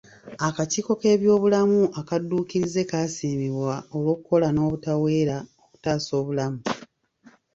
Akakiiko k'ebyobulamu akadduukirize kasiimibwa olw'okkola n'obutaweera okutaasa obulamu.